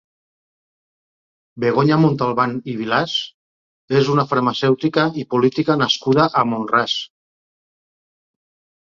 Begonya Montalban i Vilas és una farmacèutica i política nascuda a Mont-ras.